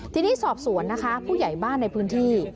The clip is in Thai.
ทีนี้สอบสวนนะคะผู้ใหญ่บ้านในพื้นที่